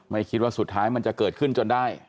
ไม่คิดว่าสุดท้ายมันจะเกิดขึ้นจนได้